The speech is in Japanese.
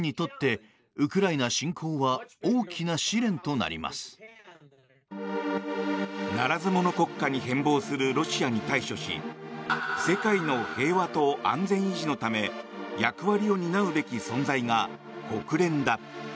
ならず者国家に変貌するロシアに対処し世界の平和と安全維持のため役割を担うべき存在が国連だ。